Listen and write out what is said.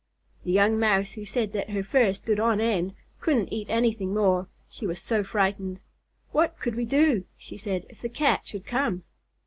The young Mouse who said that her fur stood on end couldn't eat anything more, she was so frightened. "What could we do," she said, "if the Cat should come?"